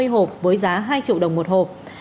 hai mươi hộp với giá hai triệu đồng một hộp